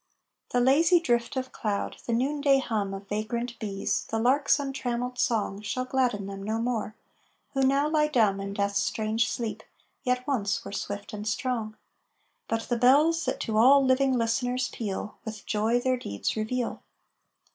The lazy drift of cloud, the noon day hum Of vagrant bees, the lark's untrammeled song Shall gladden them no more, who now lie dumb In Death's strange sleep, yet once were swift and strong. But the Bells that to all living listeners peal, With joy their deeds reveal!